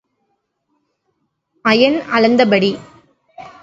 ஐயன் அளந்த படி.